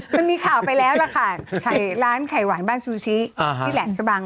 มันมีข่าวไปแล้วล่ะค่ะร้านไข่หวานบ้านซูชิที่แหลมชะบัง